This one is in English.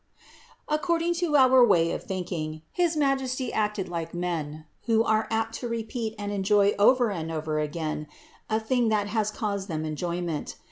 According to our way of thinking his Majesty acted like men, who are apt to repeat and enjoy over and over again a thing which has caused them enjoyment.